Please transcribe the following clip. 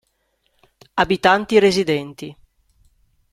Abitanti residenti